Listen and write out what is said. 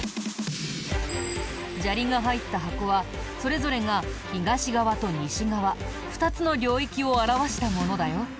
砂利が入った箱はそれぞれが東側と西側２つの領域を表したものだよ。